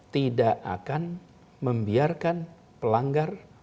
tidak akan membiarkan pelanggar